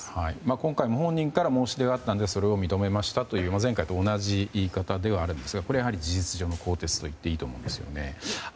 今回からも本人から申し出があったのでそれを認めましたという前回と同じ言い方ではあるんですが、やはり事実上の更迭とっていいいと思うんです。